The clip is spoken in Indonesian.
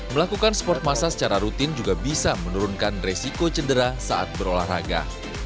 melakukan sport massa secara rutin juga bisa menurunkan resiko cedera saat berolahraga